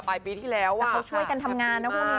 ไปปีที่แล้วพี่พีชเขาช่วยกันทำงานนะพวกเนี่ย